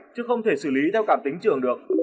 chứ không thể xử lý theo cảm tính trường được